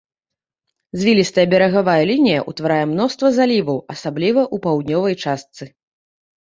Звілістая берагавая лінія ўтварае мноства заліваў, асабліва ў паўднёвай частцы.